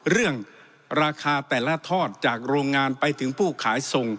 เรื่องราคาแต่ละทอดจากโรงงานไปถึงผู้ขายส่ง